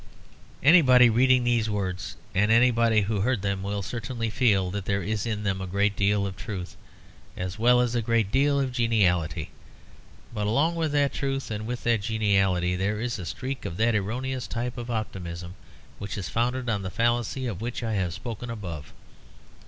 Anybody reading these words, and anybody who heard them, will certainly feel that there is in them a great deal of truth, as well as a great deal of geniality. But along with that truth and with that geniality there is a streak of that erroneous type of optimism which is founded on the fallacy of which I have spoken above.